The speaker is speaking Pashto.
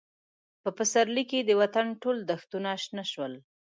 په پسرلي کې د وطن ټول دښتونه شنه شول.